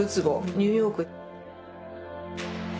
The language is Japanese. ニューヨーク。